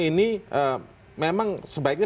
ini memang sebaiknya